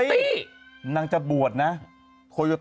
แผ่นดินไหวยังคะแผ่นดินไหวยังคะ